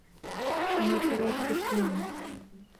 সোনা ছাড়া আর কিছুই নাই।